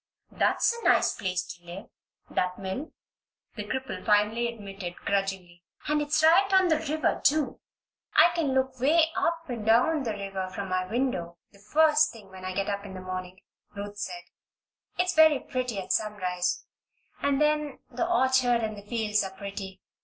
"That's a nice place to live that mill," the cripple finally admitted, grudgingly. "And it's right on the river, too!" "I can look 'way up and down the river from my window the first thing when I get up in the morning," Ruth said. "It's very pretty at sunrise. And then, the orchard and the fields are pretty.